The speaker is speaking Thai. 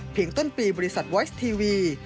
เพียงต้นปีบริษัทไทยทีวี